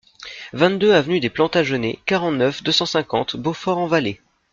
vingt-deux avenue des Plantagenêts, quarante-neuf, deux cent cinquante, Beaufort-en-Vallée